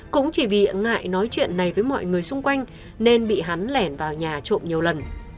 cũng chỉ vì ngại nói chuyện này với mọi người xung quanh nên bị hắn lẻn vào nhà trộm nhiều lần